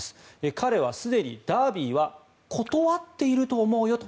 彼はすでにダービーは断っていると思うよと。